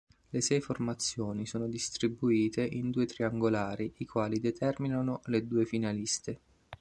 Le sei formazioni sono distribuite in due triangolari i quali determinano le due finaliste.